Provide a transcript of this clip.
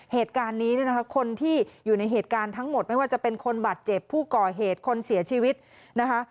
เหตุการณ์นี้เนี่ยนะคะคนที่อยู่ในเหตุการณ์ทั้งหมดไม่ว่าจะเป็นคนบาดเจ็บผู้ก่อเหตุคนเสียชีวิตนะคะ